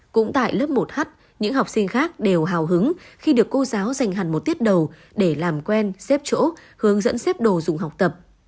cũng tại lớp một h những học sinh khác đều hào hứng khi được cô giáo dành hẳn một tiết đầu để làm quen xếp chỗ hướng dẫn xếp đồ dùng học tập